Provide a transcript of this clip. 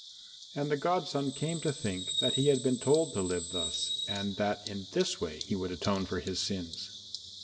And the godson came to think that he had been told to live thus and that in this way he would atone for his sins.